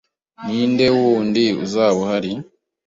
Ninde wundi uzaba uhari?